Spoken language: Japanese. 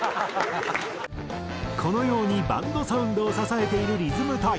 このようにバンドサウンドを支えているリズム隊。